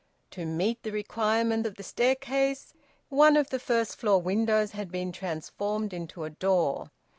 To meet the requirement of the staircase, one of the first floor windows had been transformed into a door.